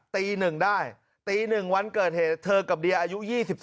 ตี๑ได้ตี๑วันเกิดเหตุเธอกับเดียอายุ๒๒